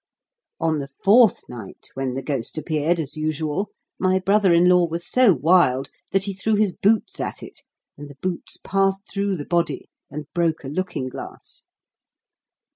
On the fourth night, when the ghost appeared, as usual, my brother in law was so wild that he threw his boots at it; and the boots passed through the body, and broke a looking glass.